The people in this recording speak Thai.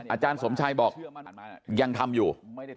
อาจารย์สมชัยบอกยังทำอยู่